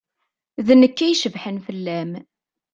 D nekk i icebḥen fell-am.